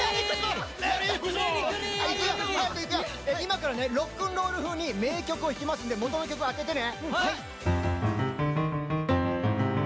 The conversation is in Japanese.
今からロックンロール風に名曲を弾きますので元の曲を当ててね。